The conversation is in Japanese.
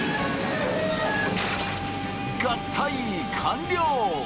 合体完了！